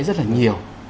rất là nhiều